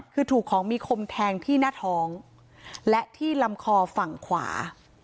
คือถูกของมีคมแทงที่หน้าท้องและที่ลำคอฝั่งขวา